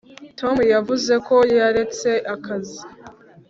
tom yavuze ko yaretse akazi